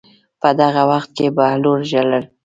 په دغه وخت کې بهلول ژړل.